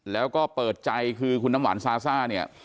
แล้วก็เปิดใจคือคุณน้ำหวานซาซ่าเนี่ย